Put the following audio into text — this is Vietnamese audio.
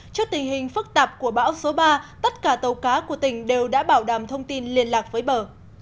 trước tình hình phức tạp của bão số ba tất cả tàu cá của tỉnh đều đã bảo đảm thông tin liên lạc với bờ